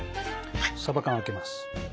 さば缶開けます。